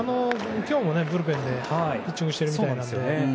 今日もブルペンでピッチングしてるようなので。